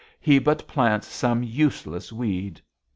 He but plants some useless weed.'